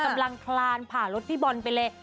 กำลังพาลถพี่บอลไปเลย